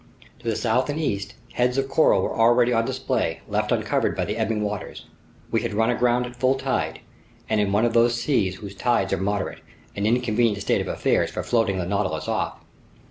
To the south and east, heads of coral were already on display, left uncovered by the ebbing waters. We had run aground at full tide and in one of those seas whose tides are moderate, an inconvenient state of affairs for floating the Nautilus off.